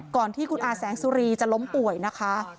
ก่อนที่คุณอาแสงสุรีจะล้มป่วยนะคะ